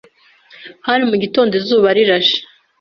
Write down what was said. Hari mu gitondo izuba rirashe